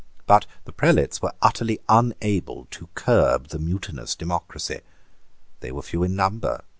But the prelates were utterly unable to curb the mutinous democracy. They were few in number.